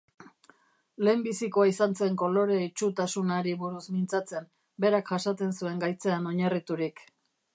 Lehenbizikoa izan zen kolore-itsutasunari buruz mintzatzen, berak jasaten zuen gaitzean oinarriturik.